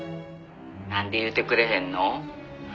「なんで言うてくれへんの？」